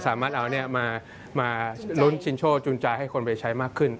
สามารถเอามาลุ้นชินโชคจุนใจให้คนไปใช้มากขึ้น